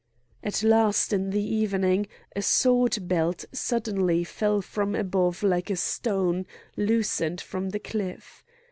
At last in the evening a sword belt suddenly fell from above like a stone loosened from the cliff.